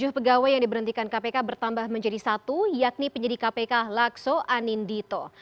tujuh pegawai yang diberhentikan kpk bertambah menjadi satu yakni penyidik kpk lakso anindito